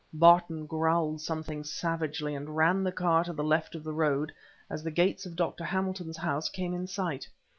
Barton growled something savagely, and ran the car to the left of the road, as the gates of Dr. Hamilton's house came in sight.